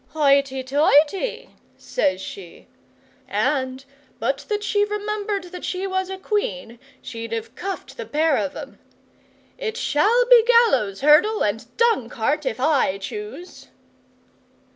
"Hoity toity!" says she, and, but that she remembered that she was Queen, she'd have cuffed the pair of 'em. "It shall be gallows, hurdle, and dung cart if I choose."